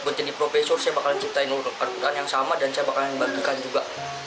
menjadi profesor saya bakalan ciptain urut urutan yang sama dan saya bakalan dibagikan juga